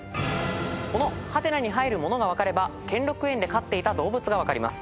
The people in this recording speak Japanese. この「？」に入るものが分かれば兼六園で飼っていた動物が分かります。